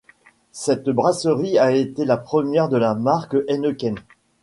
Cette brasserie a été la première de la marque Heineken.